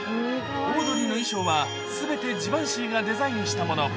オードリーの衣装は、すべてジバンシィがデザインしたもの。